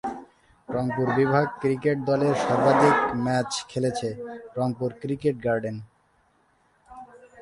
রংপুর বিভাগ ক্রিকেট দল এর সর্বাধিক ম্যাচ খেলেছে রংপুর ক্রিকেট গার্ডেন।